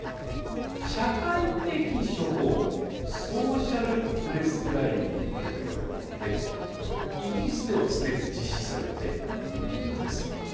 社会的処方、ソーシャル・プレスクライビングといわれるもので、イギリスではすでに実施されているんです。